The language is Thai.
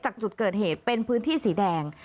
จากจุดเกิดเหตุเป็นพื้นที่สีแดง